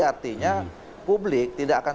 artinya publik tidak akan